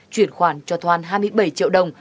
chuyển khoản cho thoan hai mươi bảy triệu đồng